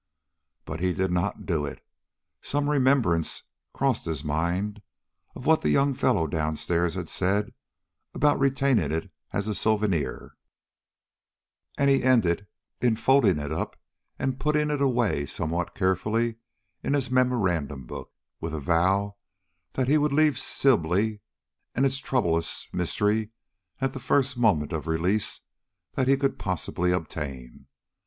But he did not do it. Some remembrance crossed his mind of what the young fellow downstairs had said about retaining it as a souvenir, and he ended in folding it up and putting it away somewhat carefully in his memorandum book, with a vow that he would leave Sibley and its troublous mystery at the first moment of release that he could possibly obtain.